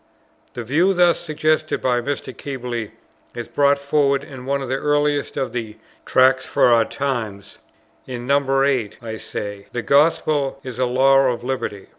The view thus suggested by Mr. Keble, is brought forward in one of the earliest of the "Tracts for the Times." In No. 8 I say, "The Gospel is a Law of Liberty.